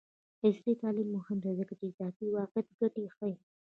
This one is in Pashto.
عصري تعلیم مهم دی ځکه چې د اضافي واقعیت ګټې ښيي.